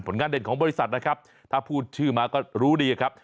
งานเด่นของบริษัทนะครับถ้าพูดชื่อมาก็รู้ดีครับ